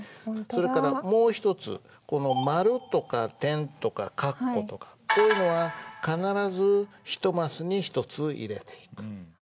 それからもう一つこの丸とか点とか括弧とかこういうのは必ず一マスに一つ入れていく。